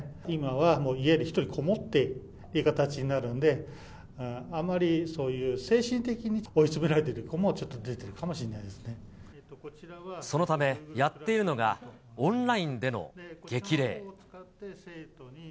今は家で、一人こもってという形になると思うので、あまり、そういう精神的に追い詰められている子も、ちょっと出ているかもしれないでそのため、やっているのがオンラインでの激励。